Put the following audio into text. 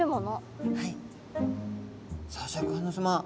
さあシャーク香音さま